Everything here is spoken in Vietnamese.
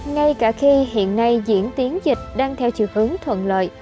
ngay cả khi hiện nay diễn tiến dịch đang theo chiều hướng thuận lợi